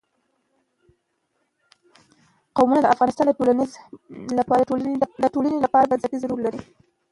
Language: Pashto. قومونه د افغانستان د ټولنې لپاره بنسټيز رول لري.